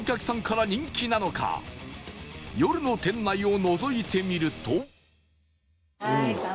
夜の店内をのぞいてみると